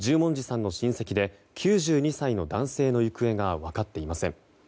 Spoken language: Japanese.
十文字さんの親戚で９２歳の男性の行方が分かっていません。